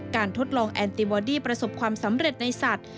ทดลองแอนติบอดี้ประสบความสำเร็จในสัตว์